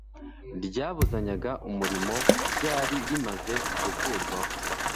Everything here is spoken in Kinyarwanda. ryabuzanyaga umurimo ryari rimaze gukurwaho